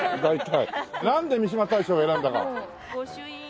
なんで三嶋大社を選んだか？